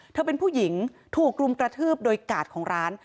เป็นผู้หญิงถูกรุมกระทืบโดยกาดของร้าน